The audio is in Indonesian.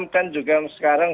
kan juga sekarang